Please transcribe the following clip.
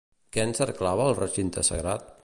Què encerclava el recinte sagrat?